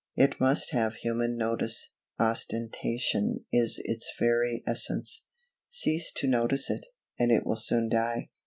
It must have human notice. Ostentation is its very essence. Cease to notice it, and it will soon die.